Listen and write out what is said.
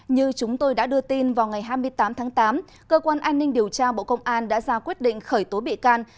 như chúng tôi đã đưa tin vào ngày hai mươi tám tháng tám cơ quan an ninh điều tra bộ công an đã ra quyết định khởi tố bị can